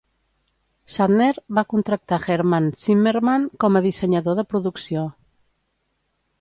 Shatner va contractar Herman Zimmerman com a dissenyador de producció.